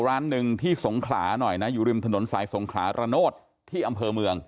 ร้านหนึ่งที่สงขลาหน่อยนะอยู่ริมถนนสายสงขลาระโนธที่อำเภอเมือง